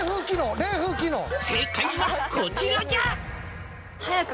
「正解はこちらじゃ」